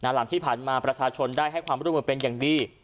หลังที่ผ่านมาประชาชนได้ให้ความร่วมมือเป็นอย่างดี